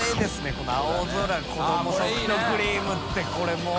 この超子どもソフトクリームってこれもう。